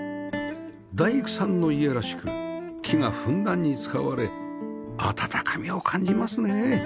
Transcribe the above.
大工さんの家らしく木がふんだんに使われ温かみを感じますね